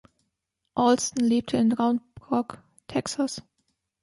Allston lebte in Round Rock, Texas.